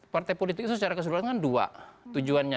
partai politik itu secara keseluruhan kan dua tujuannya